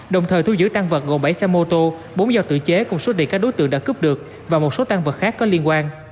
đồng thời thu giữ tang vật gồm bảy xe mô tô bốn dò tử chế cùng số tiền các đối tượng đã cướp được và một số tang vật khác có liên quan